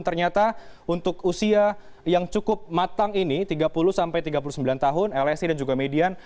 ternyata untuk usia yang cukup matang ini tiga puluh sampai tiga puluh sembilan tahun lsi dan juga median